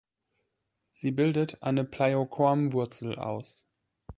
Sie bildet eine Pleiokorm-Wurzel aus.